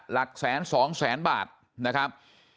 หลักแสนสองแสนบาทนะครับ